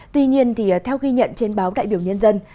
tuy nhiên theo ghi nhận trên báo đại biểu nhân dân